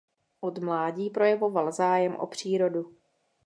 Od mládí projevoval zájem o přírodu.